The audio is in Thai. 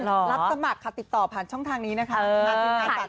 รับสมัครค่ะติดต่อผ่านช่องทางนี้นะคะ